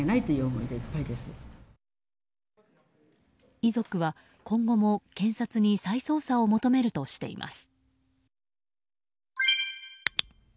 遺族は今後も、検察に再捜査を求めるとしています。